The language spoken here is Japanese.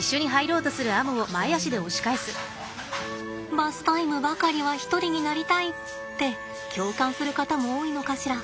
バスタイムばかりは一人になりたいって共感する方も多いのかしら。